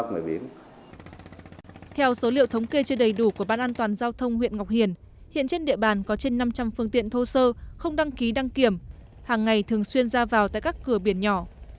theo số liệu thống kê chưa đầy đủ của ban an toàn giao thông huyện ngọc hiền hiện trên địa bàn có trên năm trăm linh phương tiện thô sơ không đăng ký đăng kiểm hàng ngày thường xuyên ra vào tại các cửa biển nhỏ